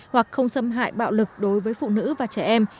hoặc không xâm hại bạo lực đối với phụ nữ và trẻ em